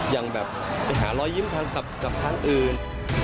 ยังแบบไปหารอยยิ้มกับทางอื่น